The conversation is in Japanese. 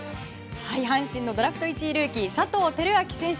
阪神のドラフト１位ルーキー佐藤輝明選手